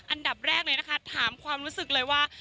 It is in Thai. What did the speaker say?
อันดับแรกเลยนะคะถามความรู้สึกเลยว่า